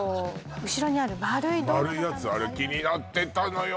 後ろにある丸いドーム型の丸いやつあれ気になってたのよ